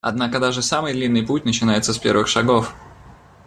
Однако даже самый длинный путь начинается с первых шагов.